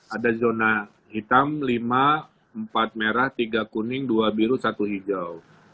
ada zona hitam lima empat merah tiga kuning dua biru satu hijau